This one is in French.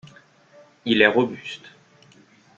Il est robuste.